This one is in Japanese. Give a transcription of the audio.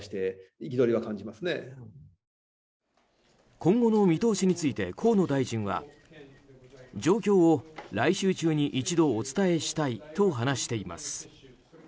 今後の見通しについて河野大臣は状況を来週中に一度お伝えしたいと話しています。